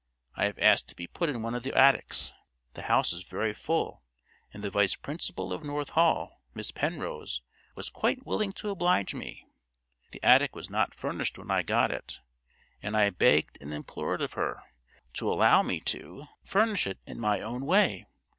I have asked to be put in one of the attics. The house is very full, and the vice principal of North Hall, Miss Penrose, was quite willing to oblige me. The attic was not furnished when I got it, and I begged and implored of her to allow me to furnish it in my own way.